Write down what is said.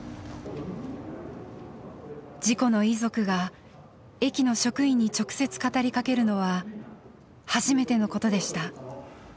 事故の遺族が駅の職員に直接語りかけるのは初めてのことでした。